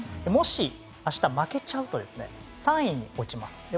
もし、明日負けちゃうと３位に落ちます。